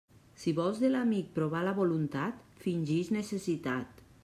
Si vols de l'amic provar la voluntat, fingix necessitat.